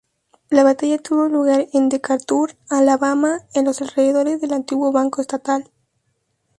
La batalla tuvo lugar en Decatur, Alabama, en los alrededores del Antiguo Banco Estatal.